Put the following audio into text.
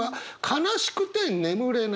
「悲しくて眠れない」。